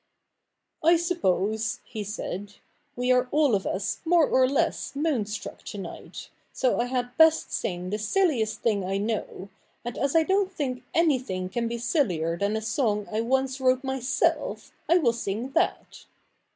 'I suppose,' he said, 'we are all of us more or less moon struck to night, so I had best sing the silliest thing I know ; and as 1 dont think anything can be sillier than a song I once wrote myself, I will sing that.'